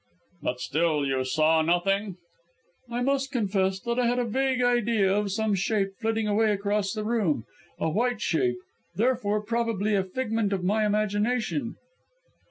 "But still you saw nothing?" "I must confess that I had a vague idea of some shape flitting away across the room; a white shape therefore probably a figment of my imagination."